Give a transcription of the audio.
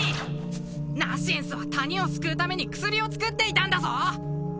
ナシエンスは谷を救うために薬を作っていたんだぞ！